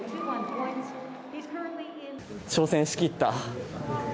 挑戦しきった。